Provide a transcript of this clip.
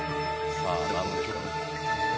さあ、何でしょう？